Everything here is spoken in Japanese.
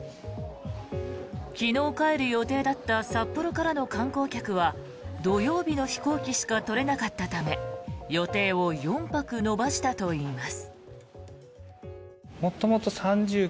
昨日帰る予定だった札幌からの観光客は土曜日の飛行機しか取れなかったため予定を４泊延ばしたといいます。